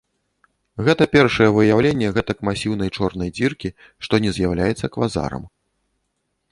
Гэта першае выяўленне гэтак масіўнай чорнай дзіркі, што не з'яўляецца квазарам.